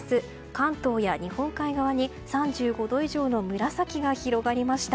関東や日本海側に３５度以上の紫が広がりました。